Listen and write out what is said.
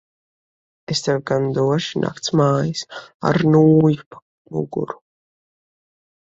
Es tev gan došu naktsmājas ar nūju pa muguru.